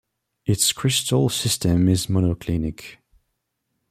Its crystal system is monoclinic.